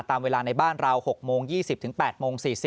ตามเวลาในบ้านเรา๖โมง๒๐๘โมง๔๐